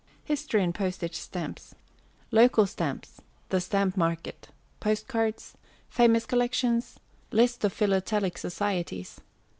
History in Postage Stamps. Local Stamps. The Stamp Market. Post Cards. Famous Collections. List of Philatelic Societies.